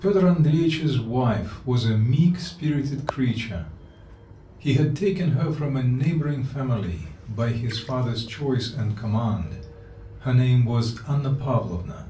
Piotr Andreitch's wife was a meek spirited creature; he had taken her from a neighbouring family by his father's choice and command; her name was Anna Pavlovna.